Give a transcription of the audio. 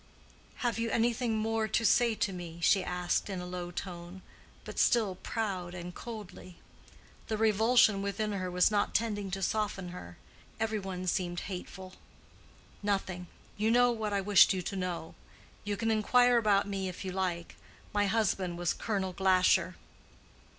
"Have you anything more to say to me?" she asked in a low tone, but still proud and coldly. The revulsion within her was not tending to soften her. Everyone seemed hateful. "Nothing. You know what I wished you to know. You can inquire about me if you like. My husband was Colonel Glasher."